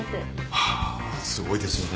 はあすごいですよね。